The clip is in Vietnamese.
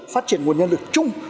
phát triển nguồn nhân lực chung